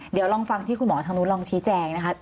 เดี๋ยวลองฟังที่คุณหมอทางนู้นลองชี้แจงนะคะ